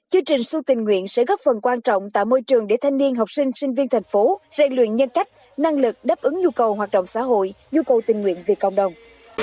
chương trình xu tình nguyện sẽ góp phần quan trọng tạo môi trường để thanh niên học sinh sinh viên thành phố dạy luyện nhân cách năng lực đáp ứng nhu cầu hoạt động xã hội nhu cầu tình nguyện vì cộng đồng